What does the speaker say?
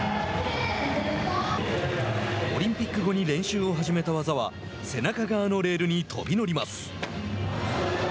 オリンピック後に練習を始めた技は背中側のレールに飛び乗ります。